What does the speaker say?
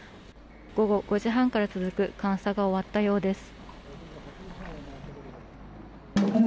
午後５時半から続く監査が終わったようです。